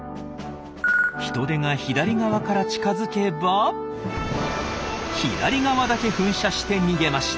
ヒトデが左側から近づけば左側だけ噴射して逃げました。